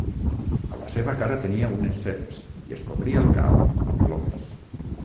A la seva cara tenia unes serps i es cobria el cap amb plomes.